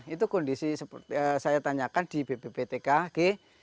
itu kondisi seperti saya tanyakan di bpptkg